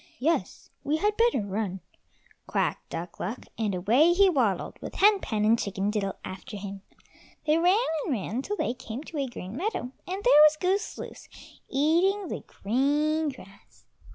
"Yes, we had better run," quacked Duck luck, and away he waddled with Hen pen, and Chicken diddle after him. They ran and ran till they came to a green meadow, and there was Goose loose eating the green grass.